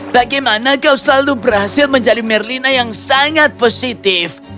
bagaimana kau selalu berhasil menjadi merlina yang sangat positif